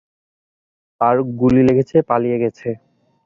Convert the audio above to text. তার গুলি লেগেছে, পালিয়ে গেছে।